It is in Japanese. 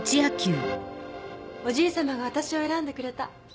おじいさまがわたしを選んでくれた。